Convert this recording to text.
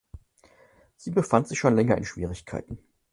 Sie befand sich schon länger in Schwierigkeiten.